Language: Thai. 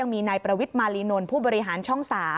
มีนายประวิทย์มาลีนนท์ผู้บริหารช่อง๓